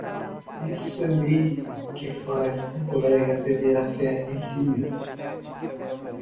Isso meio que faz um colega perder a fé em si mesmo.